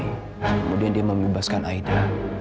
kemudian dia mau membubaskan aida